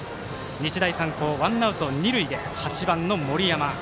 日大三高、ワンアウト、二塁で８番の森山。